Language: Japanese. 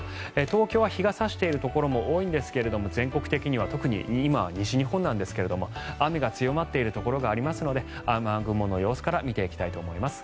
東京は日が差しているところも多いんですが全国的には特に今は西日本なんですが雨が強まっているところがありますので雨雲の様子から見ていきたいと思います。